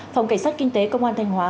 phòng cảnh sát kinh tế công an thanh hóa